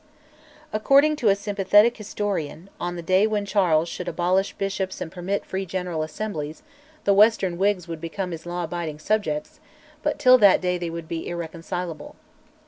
According to a sympathetic historian, "on the day when Charles should abolish bishops and permit free General Assemblies, the western Whigs would become his law abiding subjects; but till that day they would be irreconcilable."